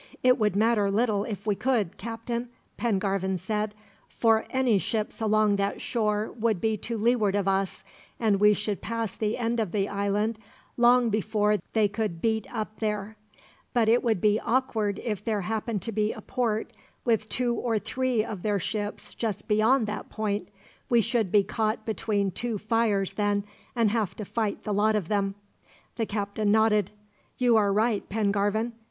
"It would matter little if we could, Captain," Pengarvan said; "for any ships along that shore would be to leeward of us, and we should pass the end of the island long before they could beat up there; but it would be awkward if there happened to be a port, with two or three of their ships, just beyond that point. We should be caught between two fires then, and have to fight the lot of them." The captain nodded. "You are right, Pengarvan.